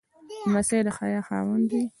لمسی د حیا خاوند وي.